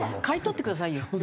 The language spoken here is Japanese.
買い取ってくださいよ。